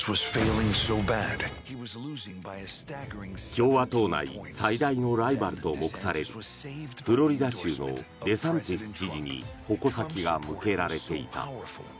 共和党内最大のライバルと目されるフロリダ州のデサンティス知事に矛先が向けられていた。